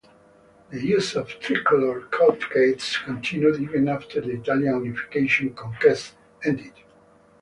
The use of tricolour cockades continued even after the Italian unification conquests ended.